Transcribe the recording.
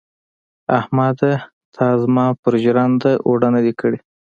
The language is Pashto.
احمده تا زما پر ژرنده اوړه نه دې کړي.